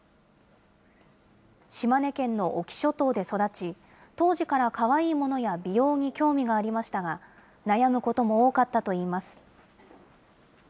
島根県の隠岐諸島で育ち、当時からかわいいものや美容に興味がありましたが、悩むことも多かったといいます。